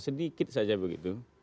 sedikit saja begitu